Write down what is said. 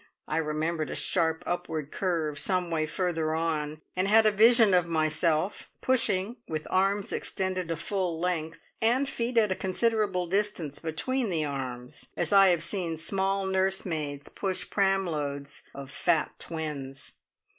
I remembered a sharp upward curve some way further on, and had a vision of myself pushing, with arms extended to full length, and feet at a considerable distance between the arms, as I have seen small nursemaids push pram loads of fat twins.